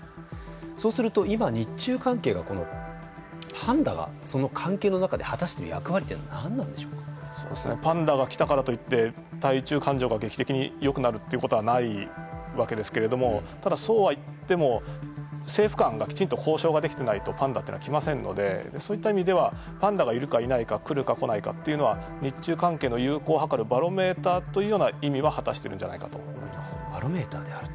そうすると、今、日中関係がパンダ、その関係の中で果たして役割というのはなんなんでしょうか。パンダが来たからといって対中感情が劇的によくなることはないわけですけれどもただ、そうは言っても政府間がきちんと交渉ができてないとパンダというのは来ませんのでそういった意味ではパンダがいるかいないか来るか来ないかというのは日中関係の友好を計るバロメーターというような意味は果たしているのではないかとバロメーターであると。